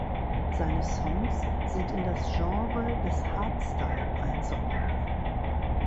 Seine Songs sind in das Genre des Hardstyle einzuordnen.